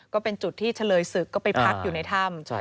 ก็เป็นจุดที่เฉลยศึกก็ไปพักอยู่ในถ้ำ